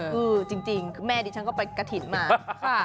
คือจริงแม่ดิฉันก็ไปกระถิ่นมาค่ะ